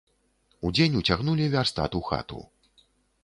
Удзень уцягнулі вярстат у хату.